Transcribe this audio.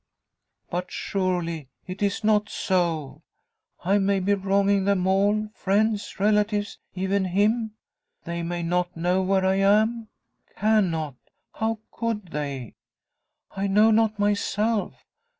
"But surely it is not so? I may be wronging them all friends relatives even him? They may not know where I am? Cannot! How could they? I know not myself!